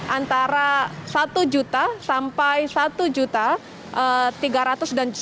antara satu juta sampai satu juta tiga ratus dan satu juta empat ratus